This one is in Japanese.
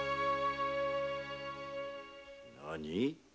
何？